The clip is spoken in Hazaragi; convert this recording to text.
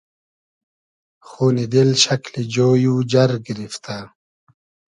خونی دیل شئکلی جۉی و جئر گیریفتۂ